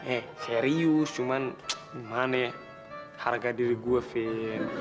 eh serius cuman gimana ya harga diri gua vini